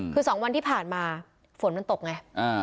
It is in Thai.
คือ๒วันที่ผ่านมาฝนมันตกไง